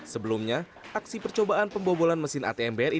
sebelumnya aksi percobaan pembobolan mesin atm bri